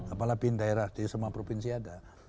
apalagi bin daerah di semua provinsi ada